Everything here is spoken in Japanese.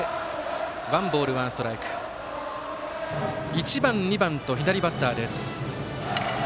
１番、２番と左バッター。